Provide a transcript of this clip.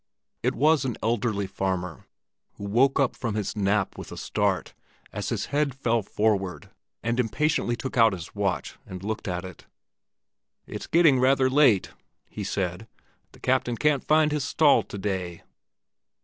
It was an elderly farmer, who woke from his nap with a start, as his head fell forward, and impatiently took out his watch and looked at it. "It's getting rather late," he said. "The captain can't find his stall to day."